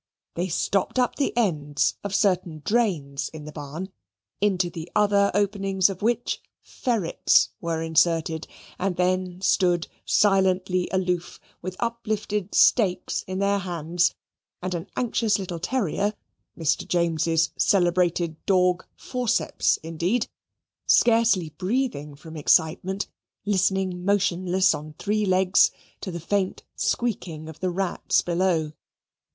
They stopped up the ends of certain drains in the barn, into the other openings of which ferrets were inserted, and then stood silently aloof, with uplifted stakes in their hands, and an anxious little terrier (Mr. James's celebrated "dawg" Forceps, indeed) scarcely breathing from excitement, listening motionless on three legs, to the faint squeaking of the rats below.